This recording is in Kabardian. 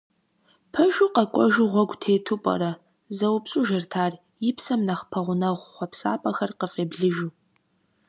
«Пэжу, къэкӀуэжу гъуэгу тету пӀэрэ?» — зэупщӀыжырт ар, и псэм нэхъ пэгъунэгъу хъуэпсапӀэхэр къыфӀеблыжу.